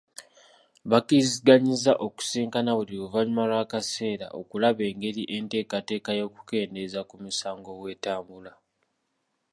Bakkiriziganyizza okusisinkana buli luvannyuma lw'akaseera okulaba engeri enteekateeka y'okukendeeza ku misango bw'etambula.